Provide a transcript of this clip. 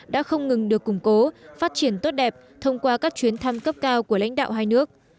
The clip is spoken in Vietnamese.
đã không ngừng được củng cố phát triển tốt đẹp thông qua các chuyến thăm cấp cao của lãnh đạo hai nước